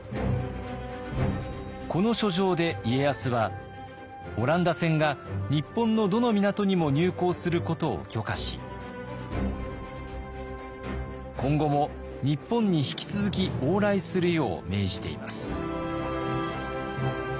この書状で家康はオランダ船が日本のどの港にも入港することを許可し今後も日本に引き続き往来するよう命じています。